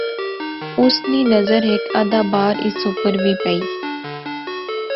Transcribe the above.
اس نی نظر ہیک آدھ بار اس اوپر وی پئی